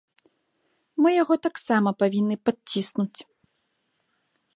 Мы яго таксама павінны падціснуць.